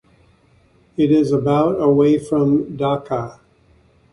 It is about away from Dhaka.